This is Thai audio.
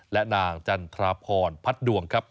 และนางจันทราพรพัฒน์พัฒน์ดวงครับ